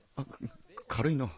か軽いな。